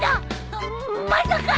まっまさか！